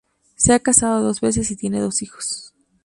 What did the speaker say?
Se ha casado dos veces y tiene dos hijos.